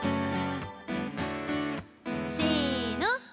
せの！